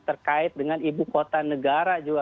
terkait dengan ibu kota negara juga